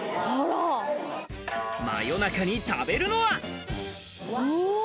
真夜中に食べるのは。